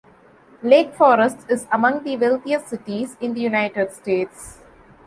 Lake Forest is among the wealthiest cities in the United States.